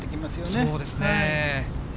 そうですね。